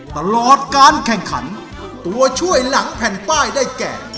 ตลอดการแข่งขันตัวช่วยหลังแผ่นป้ายได้แก่